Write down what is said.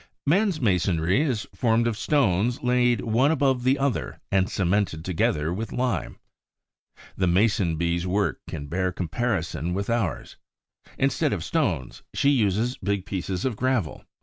Man's masonry is formed of stones laid one above the other and cemented together with lime. The Mason bee's work can bear comparison with ours. Instead of stones, she uses big pieces of gravel.